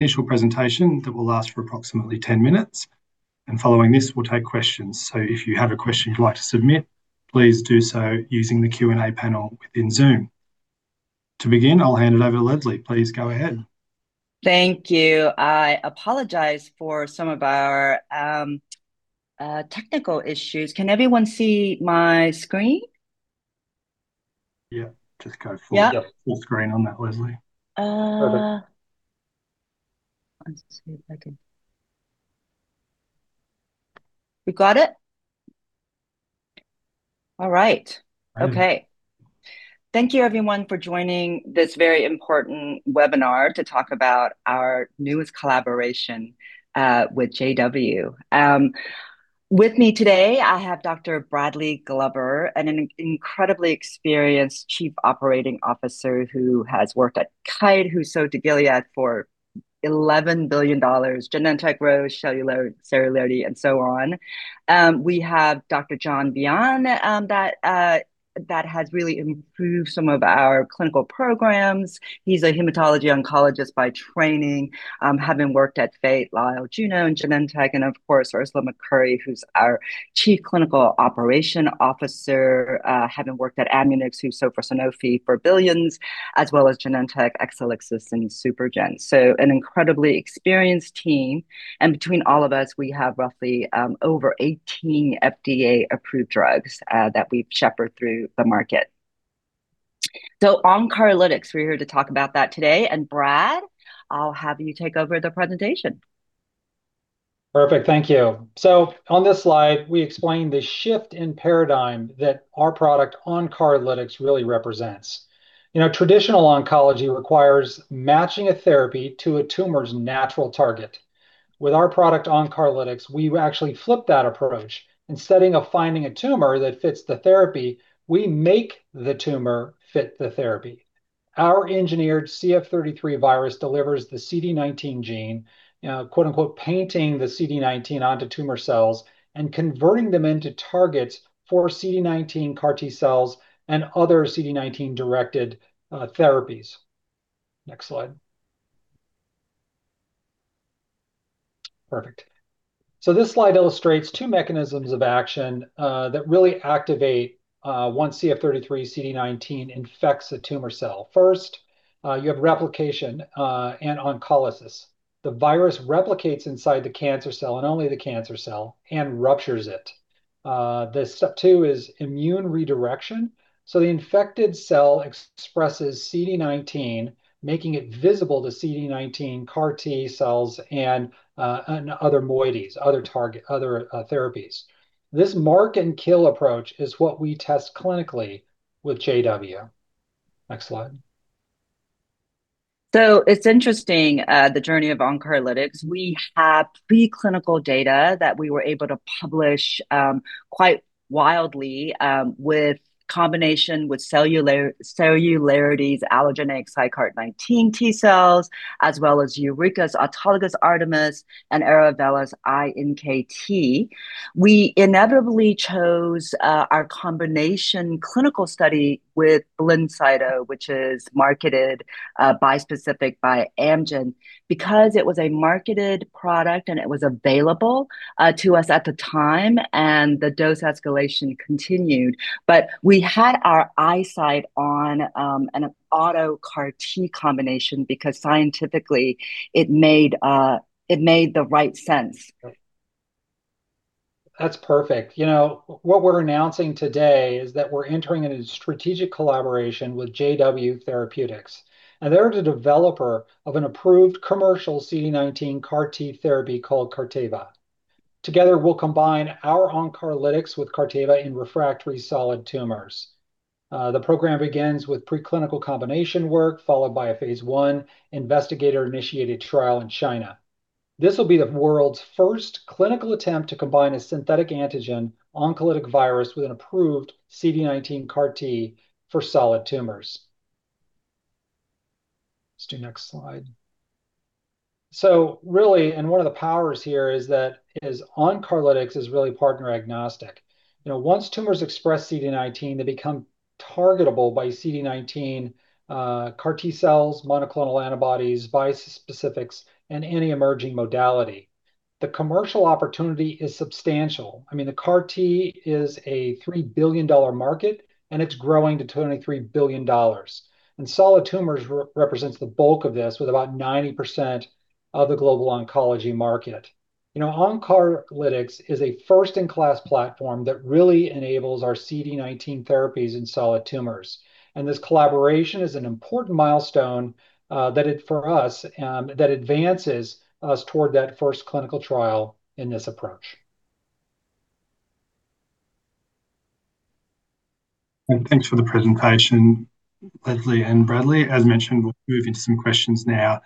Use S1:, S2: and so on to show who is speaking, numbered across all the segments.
S1: Initial presentation that will last for approximately 10 minutes, and following this we will take questions. If you have a question you would like to submit, please do so using the Q&A panel within Zoom. To begin, I will hand it over to Leslie. Please go ahead.
S2: Thank you. I apologize for some of our technical issues. Can everyone see my screen?
S1: Yeah, just go full screen on that, Leslie.Perfect.
S2: Let's see if I can... You got it? All right. Okay. Thank you, everyone, for joining this very important webinar to talk about our newest collaboration with JW. With me today, I have Dr. Bradley Glover, an incredibly experienced Chief Operating Officer who has worked at Kite, who sold to Gilead for $11 billion, Genentech, Roche, Cellularity, and so on. We have Dr. John Bian that has really improved some of our clinical programs. He's a hematology oncologist by training, having worked at Fate, Lyell, Juno, and Genentech, and of course Ursula McCurry, who's our Chief Clinical Operations Officer, having worked at Amunix, who sold to Sanofi for billions, as well as Genentech, Exelixis, and SuperGen. An incredibly experienced team. Between all of us, we have roughly over 18 FDA-approved drugs that we've shepherded through the market. On cryolytics, we're here to talk about that today. Brad, I'll have you take over the presentation.
S3: Perfect. Thank you. On this slide, we explain the shift in paradigm that our product oncolytics really represents. Traditional oncology requires matching a therapy to a tumor's natural target. With our product oncolytics, we actually flip that approach. Instead of finding a tumor that fits the therapy, we make the tumor fit the therapy. Our engineered CF33 virus delivers the CD19 gene, "painting" the CD19 onto tumor cells and converting them into targets for CD19 CAR T cells and other CD19-directed therapies. Next slide. Perfect. This slide illustrates two mechanisms of action that really activate once CF33 CD19 infects a tumor cell. First, you have replication and oncolysis. The virus replicates inside the cancer cell and only the cancer cell and ruptures it. The step two is immune redirection. The infected cell expresses CD19, making it visible to CD19 CAR T cells and other moieties, other therapies. This mark-and-kill approach is what we test clinically with JW. Next slide.
S2: It's interesting, the journey of oncology. We have preclinical data that we were able to publish quite widely with combination with Cellularity's allogeneic CyCART19 T cells, as well as Eureka's autologous artimus and Aravella's INKT. We inevitably chose our combination clinical study with Blincyto, which is marketed bispecific by Amgen because it was a marketed product and it was available to us at the time, and the dose escalation continued. We had our eyesight on an auto CAR T combination because scientifically it made the right sense.
S3: That's perfect. You know what we're announcing today is that we're entering into strategic collaboration with JW Therapeutics, and they're the developer of an approved commercial CD19 CAR-T therapy called Carteyva. Together, we'll combine our oncologics with Carteyva in refractory solid tumors. The program begins with preclinical combination work, followed by a phase one investigator-initiated trial in China. This will be the world's first clinical attempt to combine a synthetic antigen oncolytic virus with an approved CD19 CAR-T for solid tumors. Let's do next slide. Really, and one of the powers here is that oncologics is really partner agnostic. Once tumors express CD19, they become targetable by CD19 CAR-T cells, monoclonal antibodies, bispecifics, and any emerging modality. The commercial opportunity is substantial. I mean, the CAR-T is a $3 billion market, and it's growing to $23 billion. Solid tumors represent the bulk of this with about 90% of the global oncology market. Oncologics is a first-in-class platform that really enables our CD19 therapies in solid tumors. This collaboration is an important milestone for us that advances us toward that first clinical trial in this approach.
S1: Thank you for the presentation, Leslie and Bradley. As mentioned, we will move into some questions now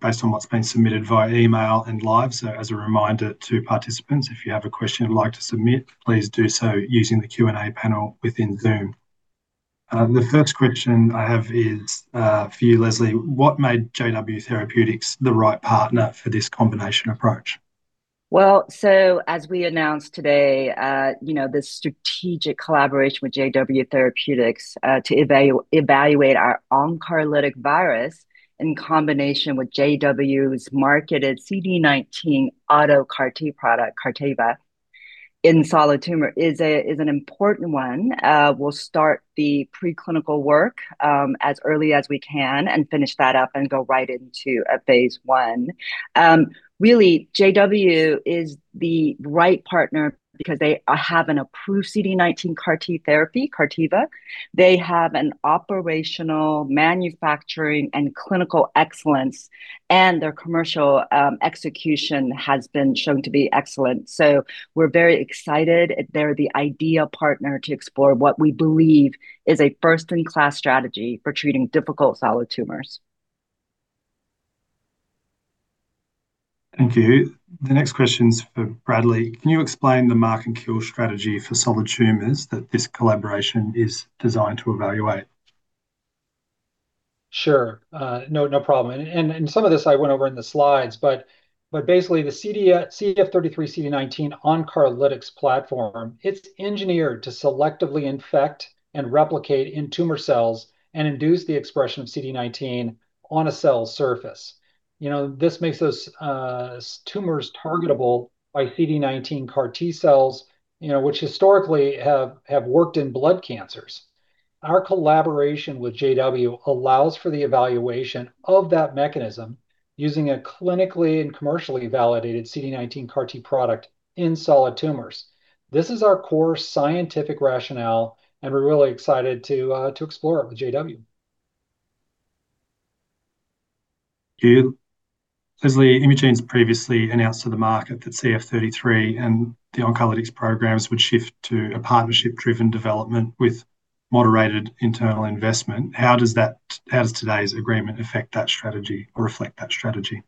S1: based on what has been submitted via email and live. As a reminder to participants, if you have a question you would like to submit, please do so using the Q&A panel within Zoom. The first question I have is for you, Leslie. What made JW Therapeutics the right partner for this combination approach?
S2: As we announced today, this strategic collaboration with JW Therapeutics to evaluate our oncolytic virus in combination with JW's marketed CD19 autologous CAR-T product, Carteyva, in solid tumor is an important one. We'll start the preclinical work as early as we can and finish that up and go right into a phase one. Really, JW is the right partner because they have an approved CD19 CAR-T therapy, Carteyva. They have operational manufacturing and clinical excellence, and their commercial execution has been shown to be excellent. We are very excited. They are the ideal partner to explore what we believe is a first-in-class strategy for treating difficult solid tumors.
S1: Thank you. The next question's for Bradley. Can you explain the mark-and-kill strategy for solid tumors that this collaboration is designed to evaluate?
S3: Sure. No, no problem. Some of this I went over in the slides, but basically the CF33 CD19 oncologics platform, it's engineered to selectively infect and replicate in tumor cells and induce the expression of CD19 on a cell surface. This makes those tumors targetable by CD19 CAR T cells, which historically have worked in blood cancers. Our collaboration with JW allows for the evaluation of that mechanism using a clinically and commercially validated CD19 CAR T product in solid tumors. This is our core scientific rationale, and we're really excited to explore it with JW.
S1: Leslie, Imugene's previously announced to the market that CF33 and the oncologics programs would shift to a partnership-driven development with moderated internal investment. How does today's agreement affect that strategy or reflect that strategy?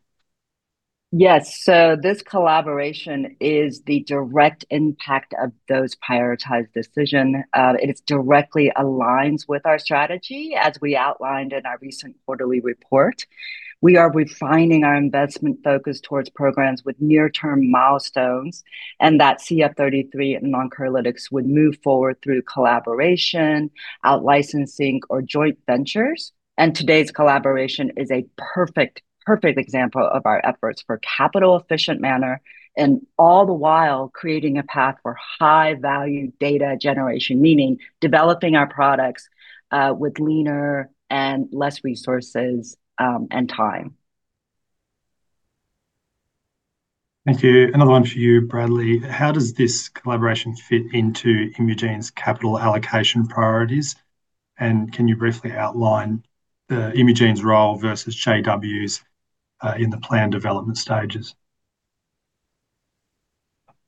S2: Yes. This collaboration is the direct impact of those prioritized decisions. It directly aligns with our strategy, as we outlined in our recent quarterly report. We are refining our investment focus towards programs with near-term milestones and that CF33 and oncologics would move forward through collaboration, outlicensing, or joint ventures. Today's collaboration is a perfect, perfect example of our efforts for capital-efficient manner, and all the while creating a path for high-value data generation, meaning developing our products with leaner and less resources and time.
S1: Thank you. Another one for you, Bradley. How does this collaboration fit into Imugene's capital allocation priorities? Can you briefly outline Imugene's role versus JW's in the planned development stages?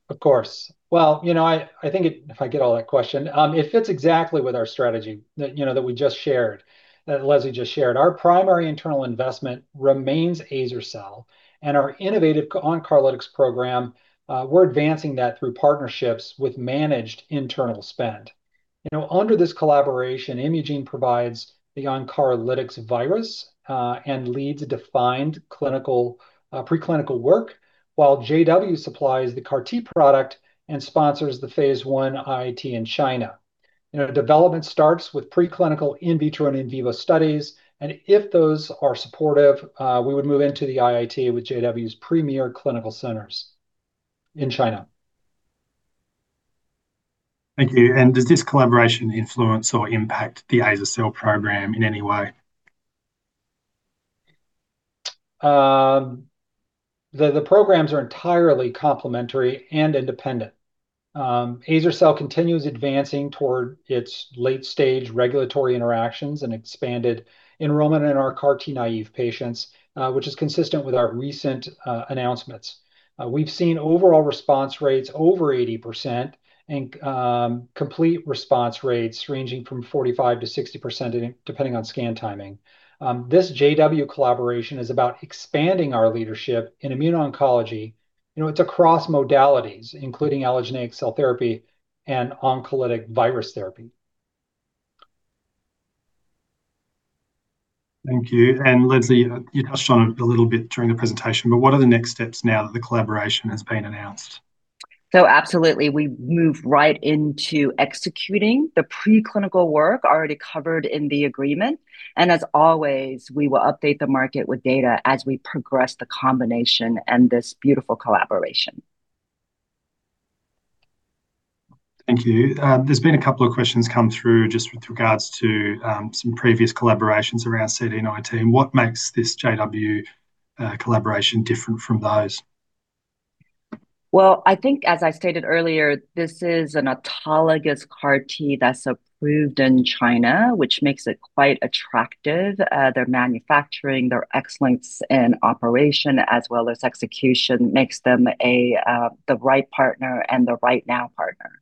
S3: Of course. You know, I think if I get all that question, it fits exactly with our strategy that we just shared, that Leslie just shared. Our primary internal investment remains Azercel, and our innovative oncologics program, we're advancing that through partnerships with managed internal spend. Under this collaboration, Imugene provides the oncologics virus and leads defined preclinical work, while JW supplies the CAR T product and sponsors the phase I IIT in China. Development starts with preclinical in vitro and in vivo studies, and if those are supportive, we would move into the IIT with JW's premier clinical centers in China.
S1: Thank you. Does this collaboration influence or impact the Azercel program in any way?
S3: The programs are entirely complementary and independent. Azercel continues advancing toward its late-stage regulatory interactions and expanded enrollment in our CAR T naive patients, which is consistent with our recent announcements. We've seen overall response rates over 80% and complete response rates ranging from 45%-60%, depending on scan timing. This JW collaboration is about expanding our leadership in immuno-oncology. It's across modalities, including allogeneic cell therapy and oncolytic virus therapy.
S1: Thank you. Leslie, you touched on it a little bit during the presentation, but what are the next steps now that the collaboration has been announced?
S2: Absolutely, we move right into executing the preclinical work already covered in the agreement. As always, we will update the market with data as we progress the combination and this beautiful collaboration.
S1: Thank you. There's been a couple of questions come through just with regards to some previous collaborations around CD19. What makes this JW collaboration different from those?
S2: I think, as I stated earlier, this is an autologous CAR T that's approved in China, which makes it quite attractive. Their manufacturing, their excellence in operation, as well as execution, makes them the right partner and the right now partner.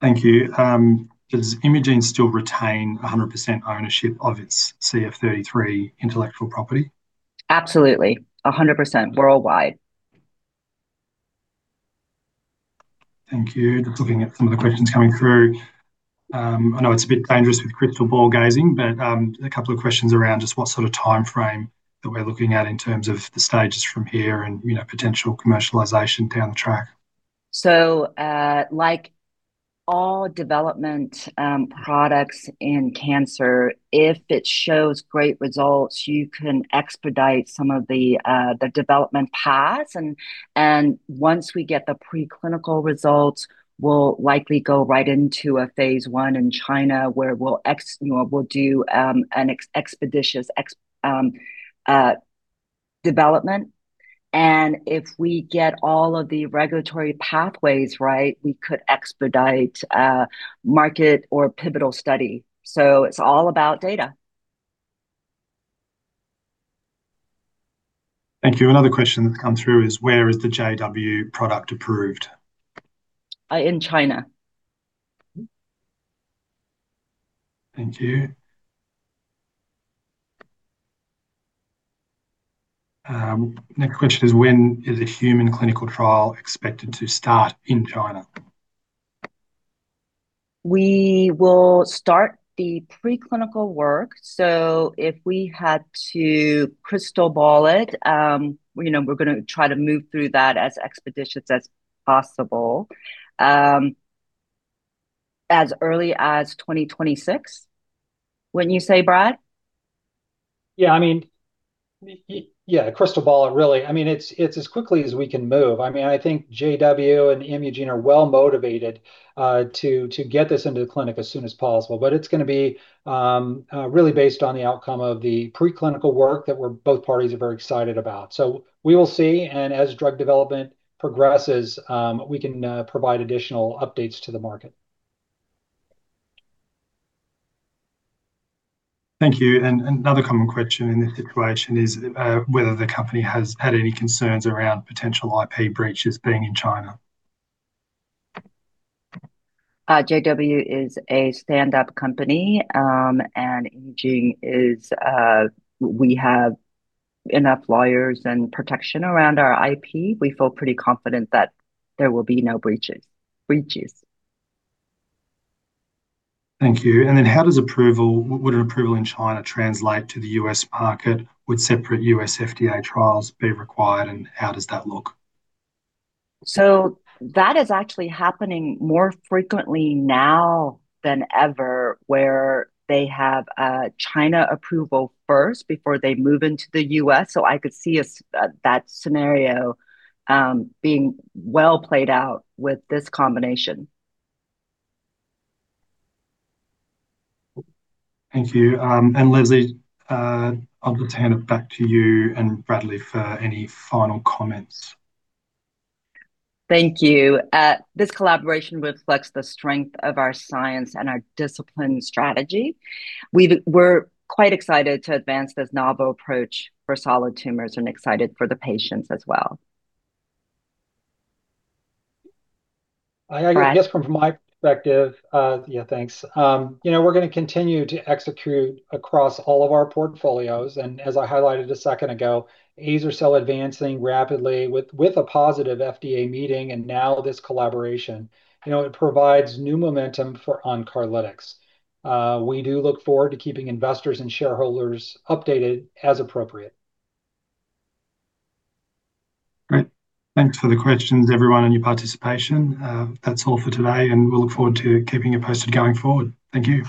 S1: Thank you. Does Imugene still retain 100% ownership of its CF33 intellectual property?
S2: Absolutely. 100% worldwide.
S1: Thank you. Just looking at some of the questions coming through. I know it's a bit dangerous with crystal ball gazing, but a couple of questions around just what sort of timeframe that we're looking at in terms of the stages from here and potential commercialization down the track.
S2: Like all development products in cancer, if it shows great results, you can expedite some of the development paths. Once we get the preclinical results, we'll likely go right into a phase one in China where we'll do an expeditious development. If we get all of the regulatory pathways right, we could expedite market or pivotal study. It's all about data.
S1: Thank you. Another question that's come through is, where is the JW product approved?
S2: In China.
S1: Thank you. Next question is, when is a human clinical trial expected to start in China?
S2: We will start the preclinical work. If we had to crystal ball it, we're going to try to move through that as expeditious as possible as early as 2026. What did you say, Brad?
S3: Yeah, I mean, yeah, crystal ball it really. I mean, it's as quickly as we can move. I mean, I think JW and Imugene are well motivated to get this into the clinic as soon as possible, but it's going to be really based on the outcome of the preclinical work that both parties are very excited about. We will see, and as drug development progresses, we can provide additional updates to the market.
S1: Thank you. Another common question in this situation is whether the company has had any concerns around potential IP breaches being in China.
S2: JW is a stand-up company, and Imugene is, we have enough lawyers and protection around our IP. We feel pretty confident that there will be no breaches.
S1: Thank you. How does approval, would an approval in China translate to the US market? Would separate US FDA trials be required, and how does that look?
S2: That is actually happening more frequently now than ever where they have China approval first before they move into the US I could see that scenario being well played out with this combination.
S1: Thank you. Leslie, I'll turn it back to you and Bradley for any final comments.
S2: Thank you. This collaboration reflects the strength of our science and our disciplined strategy. We're quite excited to advance this novel approach for solid tumors and excited for the patients as well.
S3: I guess from my perspective, yeah, thanks. We are going to continue to execute across all of our portfolios. As I highlighted a second ago, Azercel advancing rapidly with a positive FDA meeting and now this collaboration. It provides new momentum for oncologics. We do look forward to keeping investors and shareholders updated as appropriate.
S1: Great. Thanks for the questions, everyone, and your participation. That's all for today, and we'll look forward to keeping you posted going forward. Thank you.